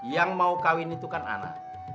yang mau kawin itu kan anak